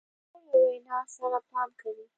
خور له وینا سره پام کوي.